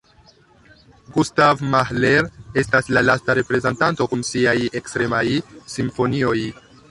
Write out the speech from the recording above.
Gustav Mahler estas la lasta reprezentanto kun siaj ekstremaj simfonioj.